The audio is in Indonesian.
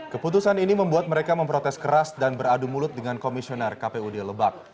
keputusan ini membuat mereka memprotes keras dan beradu mulut dengan komisioner kpud lebak